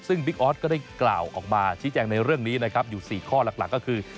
ซึ่งบิ๊กออสก็ได้กล่าวออกมาชี้แจงในเรื่องนี้นะครับอยู่๔ข้อหลักก็คือ